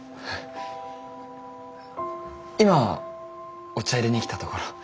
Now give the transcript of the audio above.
今お茶いれに来たところ。